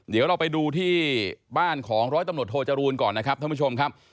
เดี๋ยวเราไปดูที่บ้านของร้อยตำรวจโทจรูลก่อนนะครับท่านผู้ชมครับ